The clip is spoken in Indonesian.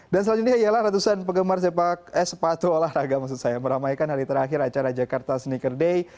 dan selanjutnya ialah ratusan pegemar sepatu olahraga maksud saya meramaikan hari terakhir acara jakarta sneaker day